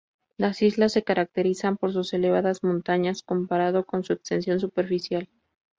Las islas se caracterizan por sus elevadas montañas comparado con su extensión superficial.